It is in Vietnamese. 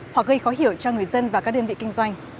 hoặc gây khó hiểu cho người dân và các đơn vị kinh doanh